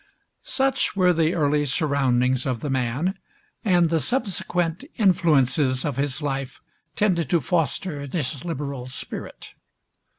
Such were the early surroundings of the man, and the subsequent influences of his life tended to foster this liberal spirit.